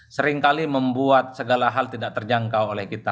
seringkali membuat segala hal tidak terjangkau oleh kita